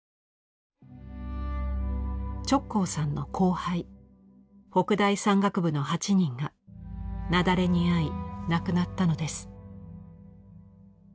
直行さんの後輩北大山岳部の８人が雪崩に遭い亡くなったのです。